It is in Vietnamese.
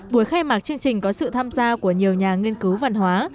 buổi khai mạc chương trình có sự tham gia của nhiều nhà nghiên cứu văn hóa